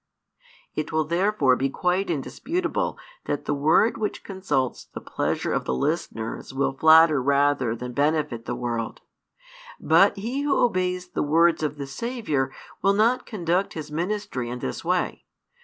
It will therefore be quite indisputable that the word which consults the pleasure of the listeners will flatter rather than benefit the world; but he who obeys the words of the Saviour will not conduct his ministry in this way.